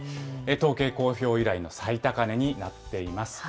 統計公表以来の最高値になっています。